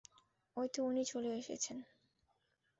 অইতো, উনি চলে এসেছেন!